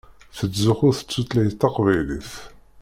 Tettzuxxu s tutlayt taqbaylit.